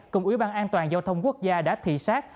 cùng ủy ban an toàn giao thông quốc gia đã thị xác